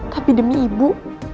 tapi demi ibu